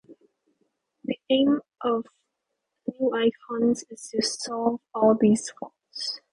The aim of NewIcons is to solve all these faults.